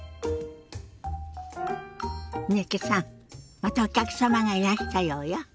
またお客様がいらしたようよ。